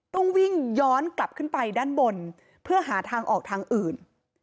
ต้องวิ่งย้อนกลับขึ้นไปด้านบนเพื่อหาทางออกทางอื่น